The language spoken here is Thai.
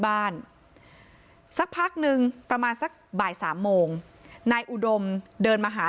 บ้านสักพักนึงประมาณสักบ่ายสามโมงนายอุดมเดินมาหา